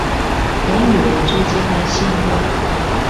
人與人之間的信任